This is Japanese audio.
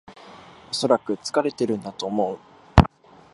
おそらく疲れてるんだと思う